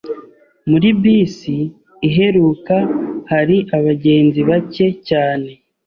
Muri bisi iheruka hari abagenzi bake cyane